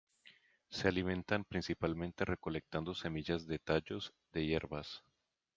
Se alimentan principalmente recolectando semillas de tallos de hierbas.